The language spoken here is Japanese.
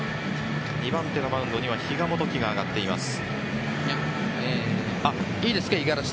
２番手のマウンドには比嘉幹貴が上がっています。